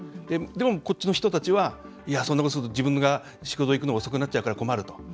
でも、こっちの人たちはいや、そんなことすると自分が仕事行くの遅くなっちゃうから困ると。